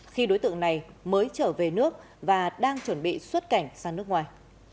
khi đối tượng này mới trở về nước và đang chuẩn bị xuất cảnh sang nước ngoài